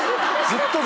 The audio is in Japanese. ずっと。